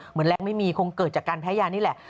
แรงไม่มีคงเกิดจากการแพ้ยานี่แหละ